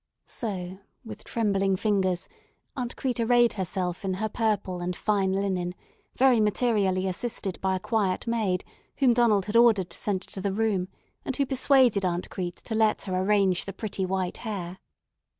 So with trembling fingers Aunt Crete arrayed herself in her purple and fine linen, very materially assisted by a quiet maid, whom Donald had ordered sent to the room, and who persuaded Aunt Crete to let her arrange the pretty white hair.